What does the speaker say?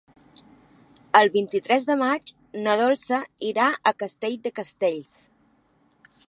El vint-i-tres de maig na Dolça irà a Castell de Castells.